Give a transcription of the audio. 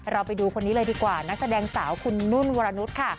เราไปดูคนนี้เลยดีกว่านักแสดงสาวคุณนุ่นวรนุษย์ค่ะ